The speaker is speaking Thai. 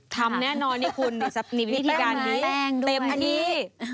ทำแน่นอนนี่คุณมีวิธีการที่เต็มอันนี้